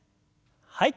はい。